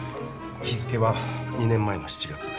日付は２年前の７月